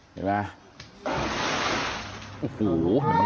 เห็นไหม